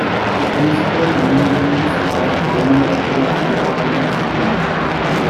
Principal religions are Roman Catholic and Evangelicalism.